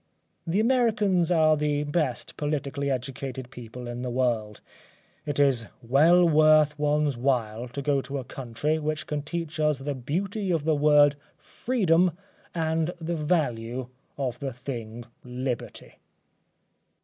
The Americans are the best politically educated people in the world. It is well worth oneŌĆÖs while to go to a country which can teach us the beauty of the word FREEDOM and the value of the thing LIBERTY.